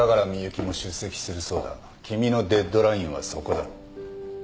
君のデッドラインはそこだ。